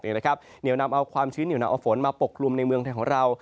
เหนียวนำเอาความชื้นเหนียวนำเอาฝนมาปกกลุ่มในเมืองไทยของเรา